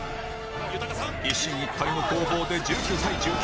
一進一退の攻防で１９対１９